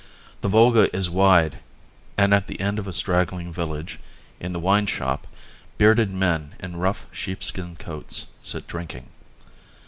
The Volga is wide, and at the end of a straggling village, in the wine shop, bearded men in rough sheepskin coats sit drinking.